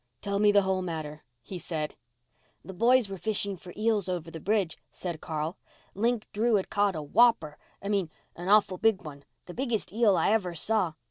"Tell me the whole matter," he said. "The boys were fishing for eels over the bridge," said Carl. "Link Drew had caught a whopper—I mean an awful big one—the biggest eel I ever saw.